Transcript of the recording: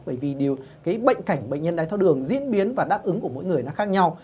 bởi vì cái bệnh cảnh bệnh nhân đai tháo đường diễn biến và đáp ứng của mỗi người nó khác nhau